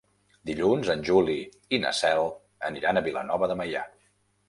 Dilluns en Juli i na Cel aniran a Vilanova de Meià.